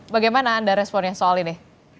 bagaimana anda responnya soal ini